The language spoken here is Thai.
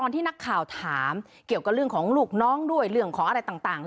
ที่นักข่าวถามเกี่ยวกับเรื่องของลูกน้องด้วยเรื่องของอะไรต่าง